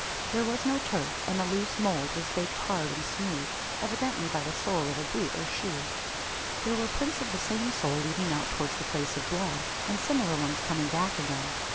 There was no turf, and the loose mould was baked hard and smooth, evidently by the sole of a boot or shoe. There were prints of the same sole leading out towards the place of blood, and similar ones coming back again.